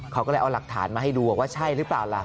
เขาก็เลยเอาหลักฐานมาให้ดูบอกว่าใช่หรือเปล่าล่ะ